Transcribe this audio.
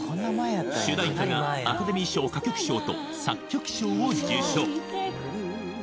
主題歌がアカデミー賞歌曲賞と作曲賞を受賞